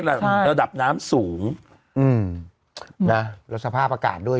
ระดับระดับน้ำสูงอืมนะแล้วสภาพอากาศด้วย